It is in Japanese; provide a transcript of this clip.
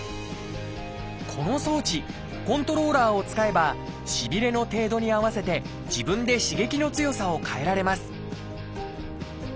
この装置コントローラーを使えばしびれの程度に合わせて自分で刺激の強さを変えられます